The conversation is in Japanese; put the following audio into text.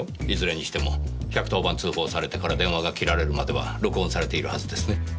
いずれにしても１１０番通報されてから電話が切られるまでは録音されているはずですね。